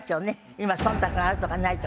今忖度があるとかないとか。